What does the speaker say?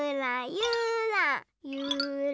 ゆらゆら。